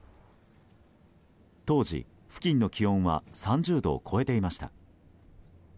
当時、付近の気温は３０度を超えていました。